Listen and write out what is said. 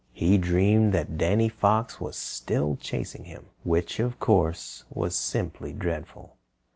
He dreamed that Danny Fox was still chasing him, which, of course, was simply dreadful.